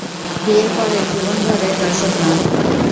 বিয়ের পরের, জীবনভরের রসদ না।